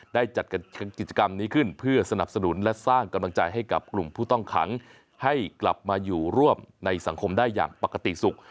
ได้จัดกิจกรรมนี้ขึ้นเพื่อสนับสนุนและสร้างกำลังใจให้กับกลุ่มผู้ต้องขังให้กลับมาอยู่ร่วมในสังคมได้อย่างปกติสุข